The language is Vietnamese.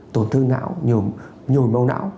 tổn thương não nhồi màu não